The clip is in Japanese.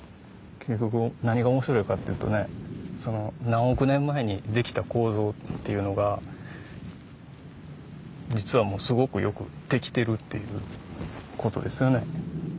結局何が面白いかっていうとね何億年前に出来た構造っていうのが実はすごくよく出来てるっていう事ですよね。